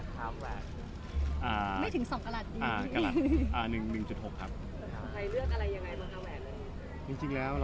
เป็นคลิกแล้ว